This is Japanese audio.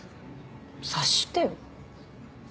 察してよ。